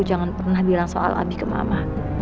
jangan pernah bilang soal abi ke mama